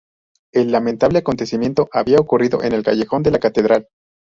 El lamentable acontecimiento había ocurrido en el callejón de la Catedral.